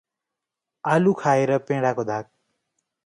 आलु खाएर पेडाको धाक